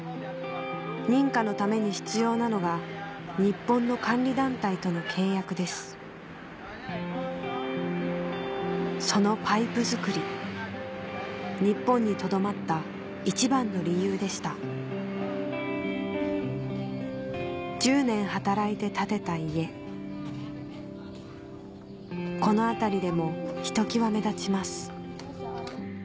認可のために必要なのが日本の管理団体との契約ですそのパイプ作り日本にとどまった一番の理由でした１０年働いて建てた家この辺りでもひときわ目立ちます